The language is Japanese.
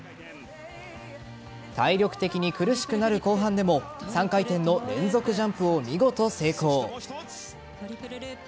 体力的に苦しくなる後半でも３回転の連続ジャンプを見事成功。